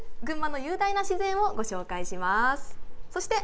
群馬の雄大な自然をご紹介します。